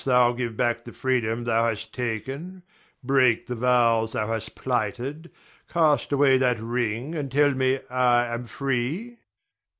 Canst thou give back the freedom thou hast taken, break the vows thou hast plighted, cast away that ring and tell me I am free?